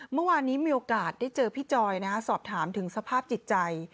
เมื่อวานนี้มีโอกาสได้เจอพี่จอยสอบถามถึงสภาพจิตใจ